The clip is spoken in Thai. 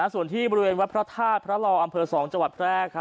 ส่วนที่บริเวณวัดพระธาตุพระรออำเภอ๒จังหวัดแพร่